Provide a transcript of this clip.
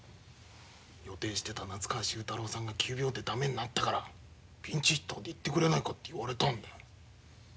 予定してた夏川秀太郎さんが急病で駄目になったからピンチヒッターで行ってくれないかって言われたんだよ。